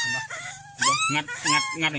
สวัสดีครับ